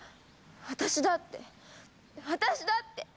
私だって私だって！